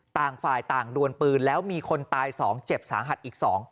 ต่างฝ่ายต่างดวนปืนแล้วมีคนตาย๒เจ็บสาหัสอีก๒